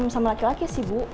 sama laki laki sih bu